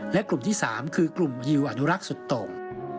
และกลุ่มที่๓คือกลุ่มฮิวอนุรักษ์สุดตรง